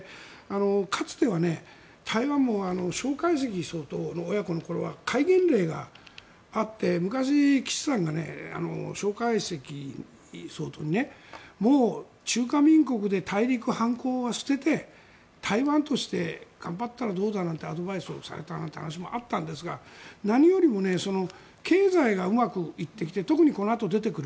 かつては台湾も蒋介石総統の親子の頃は戒厳令があって昔、岸さんが蒋介石総統にもう中華民国で大陸反抗は捨てて台湾として頑張ったらどうだなんてアドバイスをされたなんて話もあったんですが何よりも経済がうまくいってきて特にこのあと出てくる